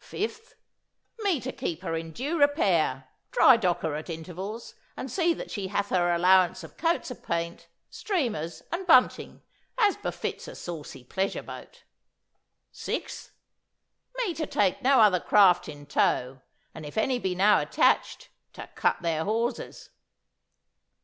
'"Fifth. Me to keep her in due repair, dry dock her at intervals, and see that she hath her allowance of coats of paint, streamers, and bunting, as befits a saucy pleasure boat."' '"Sixth. Me to take no other craft in tow, and if any be now attached, to cut their hawsers."